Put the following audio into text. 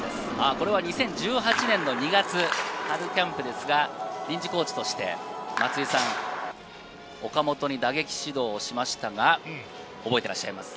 これは２０１８年の２月、春キャンプですが臨時コーチとして松井さん、岡本に打撃指導をしましたが、覚えていますか？